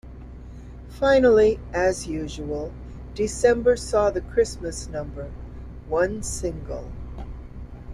Finally, as usual, December saw the Christmas number one single.